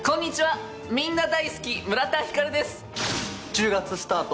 １０月スタート